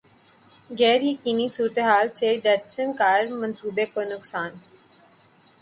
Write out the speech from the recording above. غیریقینی صورتحال سے Datsun car منصوبے کو نقصان